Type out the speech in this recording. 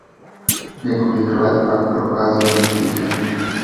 Několik let pak procházeli výcvikem.